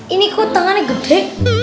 ini kok tangannya gede